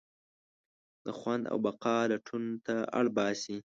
د خوند او بقا لټون ته اړباسي.